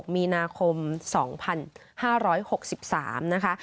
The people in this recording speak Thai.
มีนาคม๒๕๖๓นะคะ